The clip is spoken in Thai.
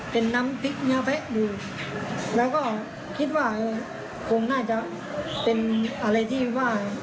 เป็นน้ำพริกเนื้อแพะหมูแล้วก็คิดว่าคงน่าจะเป็นอะไรที่ว่า